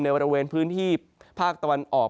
บริเวณพื้นที่ภาคตะวันออก